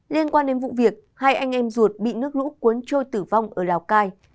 liên quan đến vụ việc hai anh em ruột bị nước lũ cuốn trôi tử vong ở lào cai